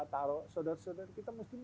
taruh saudara saudara kita mesti